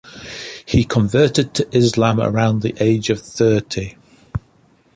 He converted to Islam around the age of thirty.